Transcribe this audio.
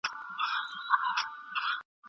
که کتاب ستاسو توقعات پوره نه کړي، پیسې مه ضایع کوئ.